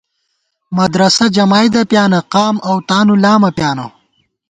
مدرسہ جمائیدہ پیانہ قام اؤ تانُو لامہ پیانہ